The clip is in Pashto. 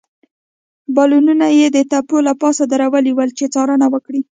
بالونونه يې د تپو له پاسه درولي ول، چې څارنه وکړي.